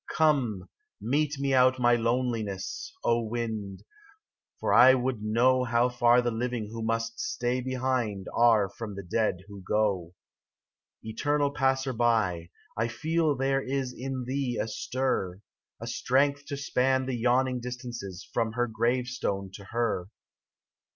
33 COME, mete me out my loneliness, o wind, For I would know How far the living who must stay behind Are from the dead who go. Eternal Passer by, I feel there is In thee a stir, A strength to span the yawning distances From her grave stone to her.